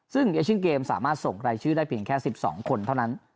ซึ่งเอเชียนเกมสามารถส่งรายชื่อได้เพียงแค่๑๒คนเท่านั้น